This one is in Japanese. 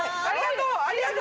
ありがとう！